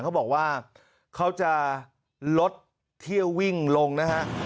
เขาบอกว่าเขาจะลดเที่ยววิ่งลงนะฮะ